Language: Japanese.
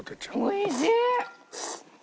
おいしい！